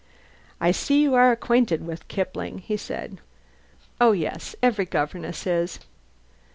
"I see you are acquainted with Kipling," he said. "Oh, yes, every governess is."